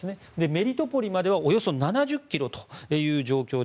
メリトポリまではおよそ７０ｋｍというところ。